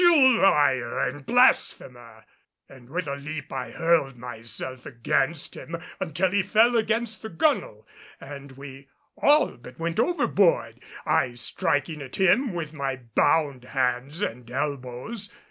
"You liar and blasphemer!" and with a leap I hurled myself against him until he fell against the gunwale, and we all but went overboard. I striking at him with my bound hands and elbows.